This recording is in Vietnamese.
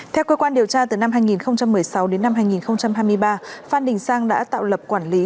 theo cơ quan điều tra từ năm hai nghìn một mươi sáu đến năm hai nghìn hai mươi ba phan đình sang đã tạo lập quản lý